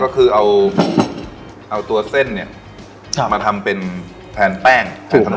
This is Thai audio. ก็คือเอาตัวเส้นเนี่ยมาทำเป็นแทนแป้ง